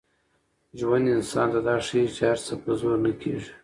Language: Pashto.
ژوند انسان ته دا ښيي چي هر څه په زور نه کېږي.